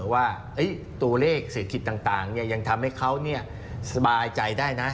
ว่าตัวเลขเศรษฐกิจต่างยังทำให้เขาสบายใจได้นะ